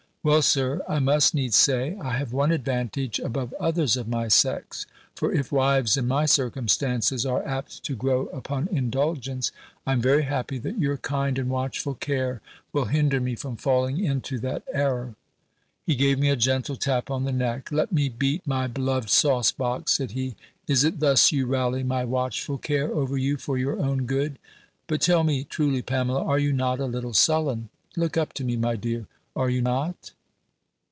"Well, Sir, I must needs say, I have one advantage above others of my sex; for if wives, in my circumstances, are apt to grow upon indulgence, I am very happy that your kind and watchful care will hinder me from falling into that error." He gave me a gentle tap on the neck: "Let me beat my beloved sauce box," said he: "is it thus you rally my watchful care over you for your own good? But tell me, truly, Pamela, are you not a little sullen? Look up to me, my dear. Are you not?"